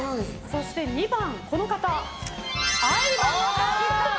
そして２番、相葉雅紀さん。